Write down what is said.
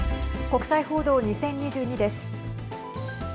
国際報道２０２２です。